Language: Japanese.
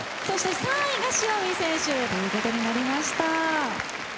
そして３位が塩見選手という事になりました。